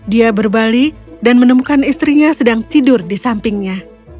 dia berbalik dan menemukan istrinya sedang tidur di sampingnya